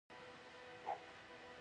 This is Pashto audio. د کینو پوستول په لاس کیږي.